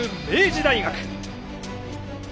明治大学。